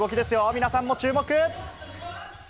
皆さんも注目！